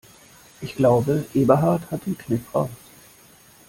Ich glaube, Eberhard hat den Kniff raus.